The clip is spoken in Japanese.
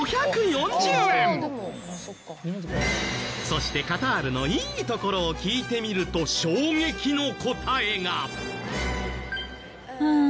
そしてカタールのいいところを聞いてみるとうん。